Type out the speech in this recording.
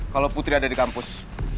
kalau putri ada di kampus